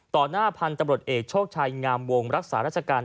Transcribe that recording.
หน้าพันธุ์ตำรวจเอกโชคชัยงามวงรักษาราชการ